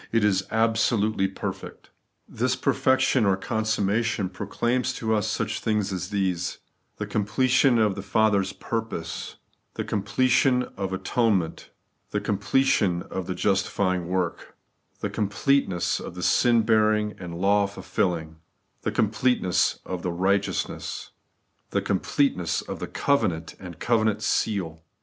It is absolutely perfect This perfection or consummation proclaims to us such things as these : the completion of the Father's purpose, the completion of atonement, the completion of the justifying work, the completeness of the sin bearing and law fulfilling, the completeness of the righteousness, the completeness of the covenant and the covenant seal.